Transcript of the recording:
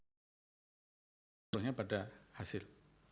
maka hasilnya pada hasil